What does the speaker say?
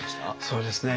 そうですね